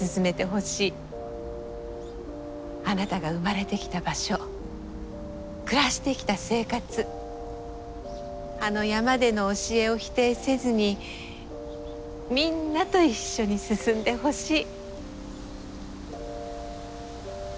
あなたが生まれてきた場所暮らしてきた生活あの山での教えを否定せずにみんなと一緒に進んでほしい。